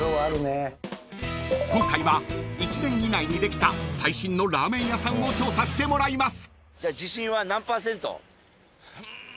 ［今回は１年以内にできた最新のラーメン屋さんを調査してもらいます］